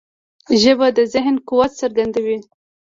ژبه د ذهن قوت څرګندوي